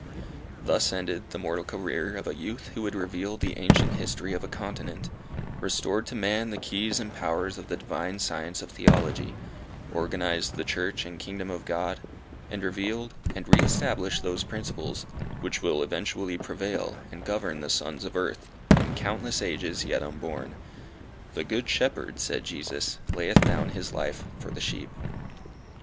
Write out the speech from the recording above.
Thus ended the mortal career of a youth who had revealed the ancient history of a continent; restored to man the keys and powers of the divine science of Theology; organized the Church and kingdom of God, and revealed, and re established those principles, which will eventually prevail, and govern the sons of earth, in countless ages yet unborn. "The good shepherd," said Jesus, "layeth down his life for the sheep."